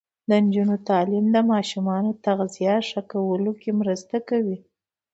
د نجونو تعلیم د ماشومانو تغذیه ښه کولو مرسته کوي.